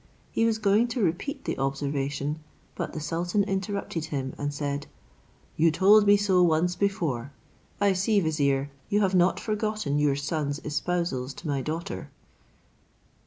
He was going to repeat the observation, but the sultan interrupted him, and said, "You told me so once before; I see, vizier, you have not forgotten your son's espousals to my daughter."